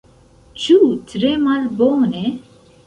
Ĉu tre malbone?